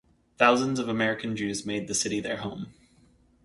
Thousands of American Jews made the city their home.